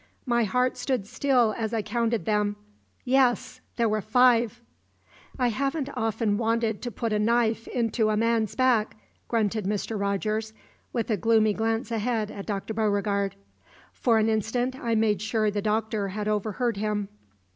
My heart stood still as I counted them. Yes; there were five! "I haven't often wanted to put a knife into a man's back," grunted Mr. Rogers, with a gloomy glance ahead at Dr. Beauregard. For an instant I made sure the Doctor had overheard him.